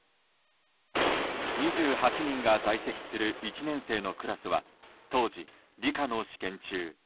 ２８人が在籍する１年生のクラスは当時、理科の試験中。